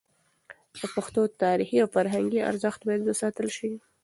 د پښتو تاریخي او فرهنګي ارزښت باید وساتل شي.